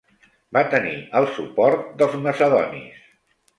Va tenir el suport dels macedonis.